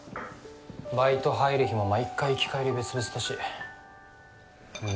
バイト入る日も毎回行き帰り別々だしま